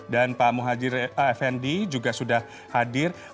dan pak muhadjir effendi juga sudah hadir